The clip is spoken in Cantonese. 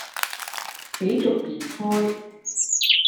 喜逐言開